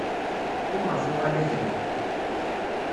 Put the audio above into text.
Teqqim ɣef uɣalad-nni.